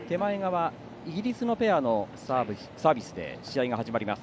イギリスのペアのサービスで試合が始まります。